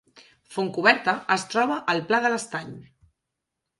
Fontcoberta es troba al Pla de l’Estany